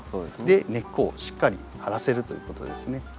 で根っこをしっかり張らせるということですね。